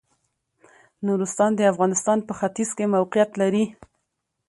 نورستان د افغانستان په ختيځ کې موقيعت لري.